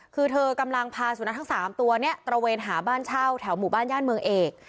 คือเธอกำลังพาสุนัขทั้ง๓ตัวเนี่ยตระเวนหาบ้านเช่าแถวหมู่บ้านย่านเมืองเอก